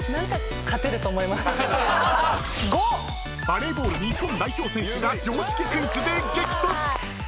［バレーボール日本代表選手が常識クイズで激突！］